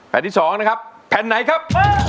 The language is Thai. แผ่นที่๒นะครับแผ่นไหนครับ